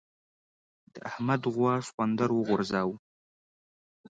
د احمد غوا سخوندر وغورځاوو.